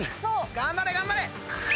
頑張れ頑張れ！